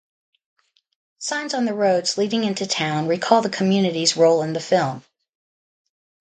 Signs on the roads leading into town recall the community's role in the film.